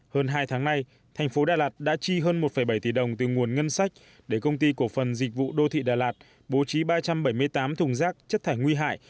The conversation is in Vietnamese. hơn hai tháng nay thành phố đà lạt đã chi hơn một bảy tỷ đồng từ nguồn ngân sách để công ty cổ phần dịch vụ đô thị đà lạt bố trí ba trăm bảy mươi tám thùng rác chất thải nguy hại